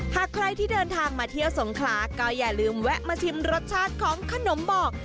หากใครที่เดินทางมาเที่ยวสงขลาก็อย่าลืมแวะมาชิมรสชาติของขนมบอก